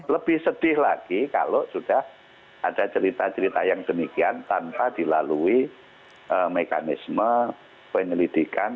lebih sedih lagi kalau sudah ada cerita cerita yang demikian tanpa dilalui mekanisme penyelidikan